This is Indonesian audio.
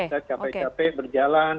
kita capek capek berjalan